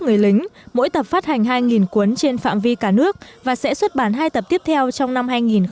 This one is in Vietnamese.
người lính mỗi tập phát hành hai cuốn trên phạm vi cả nước và sẽ xuất bản hai tập tiếp theo trong năm hai nghìn một mươi chín